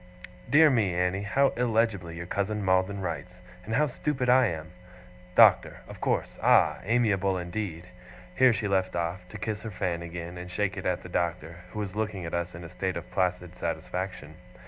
Dear me, Annie, how illegibly your cousin Maldon writes, and how stupid I am! "Doctor," of course. Ah! amiable indeed!' Here she left off, to kiss her fan again, and shake it at the Doctor, who was looking at us in a state of placid satisfaction.